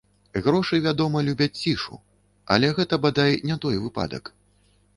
Грошы, вядома, любяць цішу, але гэта, бадай, не той выпадак.